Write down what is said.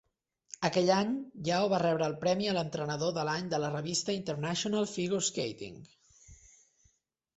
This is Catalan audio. Aquell any, Yao va rebre el premi a l'entrenador de l'any de la revista International Figure Skating.